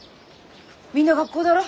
みんな学校だろ？